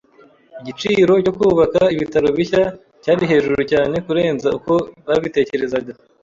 Igiciro cyo kubaka ibitaro bishya cyari hejuru cyane kurenza uko babitekerezaga